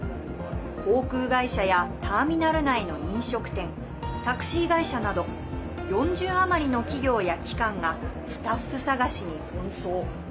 航空会社やターミナル内の飲食店タクシー会社など４０余りの企業や機関がスタッフ探しに奔走。